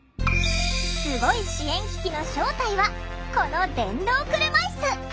スゴい支援機器の正体はこの電動車いす。